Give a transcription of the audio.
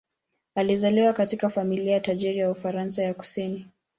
Alizaliwa katika familia tajiri ya Ufaransa ya kusini.